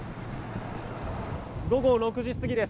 午後６時過ぎです。